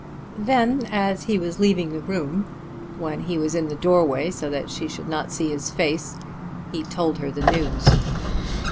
Then, as he was leaving the room, when he was in the door way, so that she should not see his face, he told her the news.